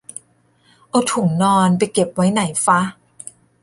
เอาถุงนอนไปเก็บไว้ไหนฟะ